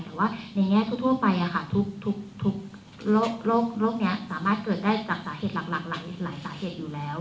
แต่ว่าในแง่ทั่วไปทุกโรคนี้สามารถเกิดได้จากสาเหตุหลักหลายสาเหตุอยู่แล้ว